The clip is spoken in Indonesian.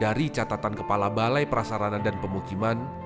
dari catatan kepala balai prasarana dan pemukiman